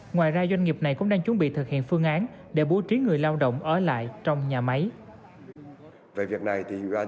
ngoài ra doanh nghiệp này cũng đang chuẩn bị thực hiện phương án để bố trí người lao động ở lại trong nhà máy